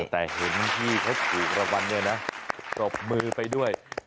แต่เห็นพี่เขาถูกรางวัลเนี่ยนะปรบมือไปด้วย